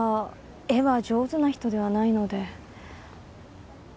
絵は上手な人ではないので。